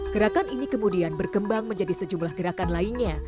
gerakan ini kemudian berkembang menjadi sejumlah gerakan lainnya